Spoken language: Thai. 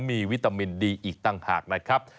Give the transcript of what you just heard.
มีวิตามินดีอีกต่างหากนะครับ